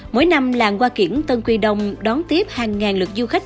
mỗi năm làng hoa kiển tân quy đông đón tiếp hàng ngàn lượt du khách